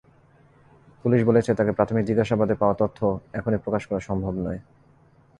Police বলেছে, তাঁকে প্রাথমিক জিজ্ঞাসাবাদে পাওয়া তথ্য এখনই প্রকাশ করা সম্ভব নয়।